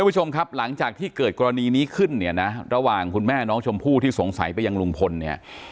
ผู้ชมครับหลังจากที่เกิดกรณีนี้ขึ้นเนี่ยนะระหว่างคุณแม่น้องชมพู่ที่สงสัยไปยังลุงพลเนี่ย